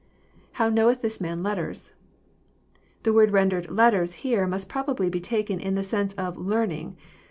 [How knoweth this man letters?] The word rendered '* letters " here, must probably be taken in the sense of learn ing."